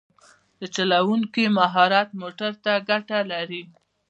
د چلوونکي مهارت موټر ته ګټه لري.